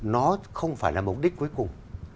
nó không phải là mục đích cuối cùng